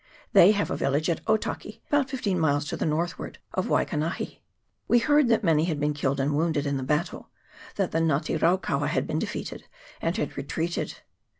They have a village at Otaki, about fifteen miles to the northward of Waikanahi. We heard that many had been killed and wounded in the battle ; that the Nga te raukaua had been defeated, and had retreated.